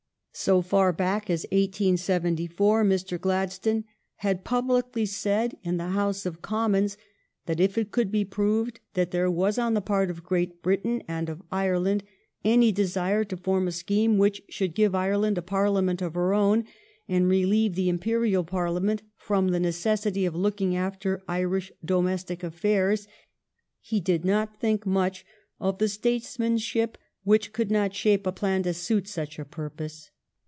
So far back as 1874 Mr. Gladstone had publicly said in the House of Commons that if it could be proved that there was on the part of Great Britain and of Ireland any desire to form a scheme which should give Ireland a Parliament of her own and relieve the Imperial Parliament from the necessity of looking after Irish domestic affairs, he did not think much of the statesmanship which could not shape a plan to suit such a purpose.